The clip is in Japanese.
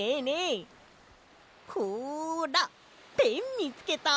ほらペンみつけた！